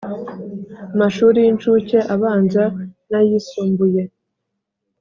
mashuri y incuke abanza n ayisumbuye